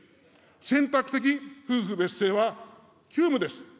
選択的夫婦別姓は急務です。